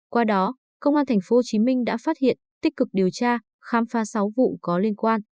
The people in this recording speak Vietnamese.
qua đó công an tp hcm đã phát hiện tích cực điều tra khám phá sáu vụ có liên quan